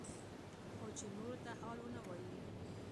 خو چې نورو ته حال ونه وايي.